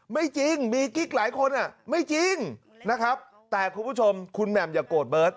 ไม่จริงมีกิ๊กหลายคนไม่จริงนะครับแต่คุณผู้ชมคุณแหม่มอย่าโกรธเบิร์ต